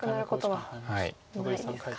はい。